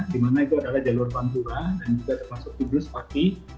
dimana itu adalah jalur bantuan dan juga termasuk kudus pak ki